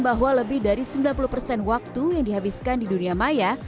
bahwa lebih dari sembilan puluh persen waktu yang dihabiskan di dunia maya